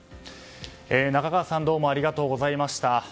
中川さんどうもありがとうございました。